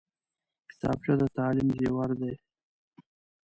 کتابچه د تعلیم زیور دی